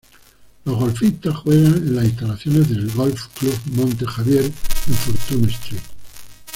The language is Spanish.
Los golfistas juegan en las instalaciones del Golf Club Monte Xavier en Fortune Street.